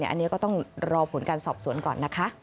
อันนี้ก็ต้องรอผลการสอบสวนก่อนนะคะ